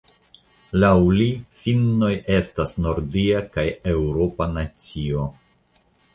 Laŭ li finnoj estas nordia kaj eŭropa nacio.